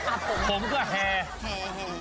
ผมหลายเส้น